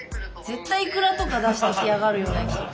絶対いくらとか出してきやがるよねきっと。